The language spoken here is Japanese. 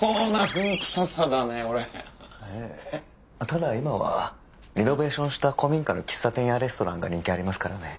ただ今はリノベーションした古民家の喫茶店やレストランが人気ありますからね。